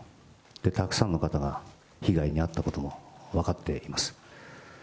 たくさんの方が被害に遭ったことも分かっています。